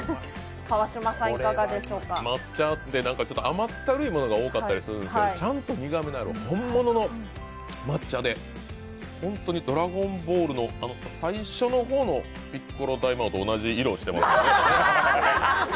抹茶って甘ったるいものが多かったりするんですけど、ちゃんと苦みのある、本物の抹茶で本当にドラゴンボールの最初の方のピッコロ大魔王と同じ色してますね。